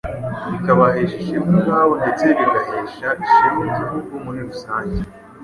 bikabahesha ishema ubwabo ndetse bigahesha ishema Igihugu muri rusange.